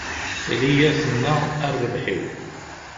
Liya tenna: A rrbeḥ-iw!